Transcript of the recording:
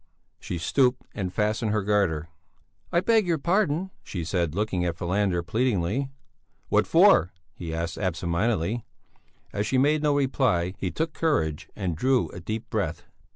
She stooped and fastened her garter. "I beg your pardon," she said, looking at Falander, pleadingly. "What for?" he asked, absent mindedly. As she made no reply, he took courage and drew a deep breath.